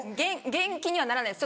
元気にはならないです